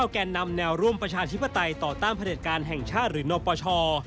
แก่นำแนวร่วมประชาธิปไตยต่อต้านผลิตการแห่งชาติหรือนปช